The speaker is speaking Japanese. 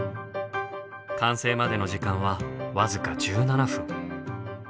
完成までの時間は僅か１７分。